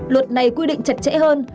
luật này quy định chặt chẽ hơn